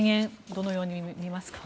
どのように見ますか。